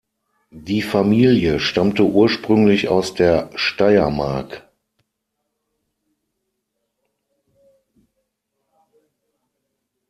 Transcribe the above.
Die Familie stammte ursprünglich aus der Steiermark.